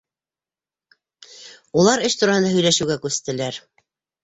Улар эш тураһында һөйләшеүгә күстеләр.